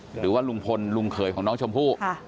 หรือว่าลุงพลลุงเขยของน้องชมพู่